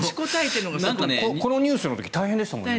このニュースの時大変でしたよね。